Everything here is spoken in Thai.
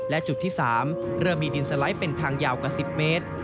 และจุดที่๓เริ่มมีดินสไลด์เป็นทางยาวกว่า๑๐เมตร